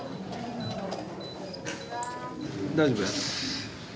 大丈夫です。